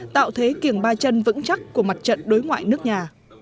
tạo thế kiềng ba chân vững chắc của mặt trận đối ngoại nước nhà